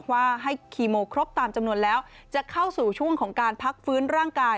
ว่าให้คีโมครบตามจำนวนแล้วจะเข้าสู่ช่วงของการพักฟื้นร่างกาย